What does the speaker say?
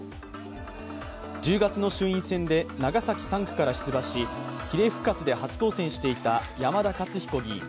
１０月の衆院選で長崎３区から出馬し比例復活で初当選していた山田勝彦議員。